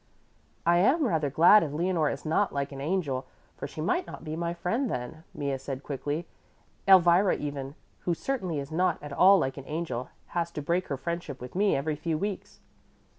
"I am rather glad if Leonore is not like an angel, for she might not be my friend then," Mea said quickly. "Elvira even, who certainly is not at all like an angel, has to break her friendship with me every few weeks."